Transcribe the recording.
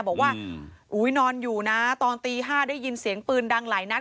บอกว่าอุ๊ยนอนอยู่นะตอนตี๕ได้ยินเสียงปืนดังหลายนัด